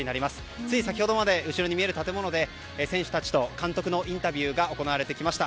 つい先ほどまで後ろにみえる建物で選手たちと監督のインタビューが行われてきました。